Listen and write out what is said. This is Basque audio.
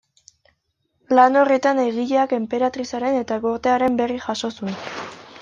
Lan horretan egileak enperatrizaren eta gortearen berri jaso zuen.